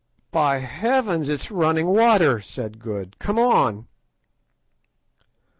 "By heaven! it's running water," said Good. "Come on."